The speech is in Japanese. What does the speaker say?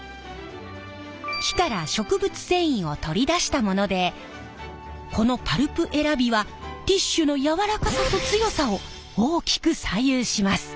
木から植物繊維を取り出したものでこのパルプ選びはティッシュの柔らかさと強さを大きく左右します。